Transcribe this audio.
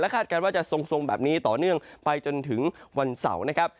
คาดการณ์ว่าจะทรงแบบนี้ต่อเนื่องไปจนถึงวันเสาร์นะครับ